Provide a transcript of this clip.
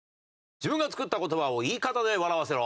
自分が作った言葉を言い方で笑わせろ！